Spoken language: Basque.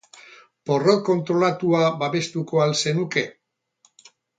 Porrot kontrolatua babestuko al zenuke?